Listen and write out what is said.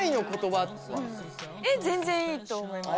全然いいと思います。